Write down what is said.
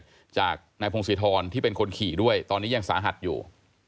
ซึ่งจากไนพรุงสิรษิทรธรที่เป็นคนขี่ด้วยเตอร์นี้ยังสาหัสอยู่